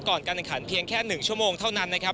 การแข่งขันเพียงแค่๑ชั่วโมงเท่านั้นนะครับ